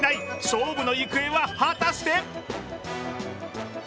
勝負の行方は果たして？